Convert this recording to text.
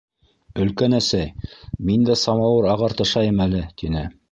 — Өлкән әсәй, мин дә самауыр ағартышайым әле, — тине.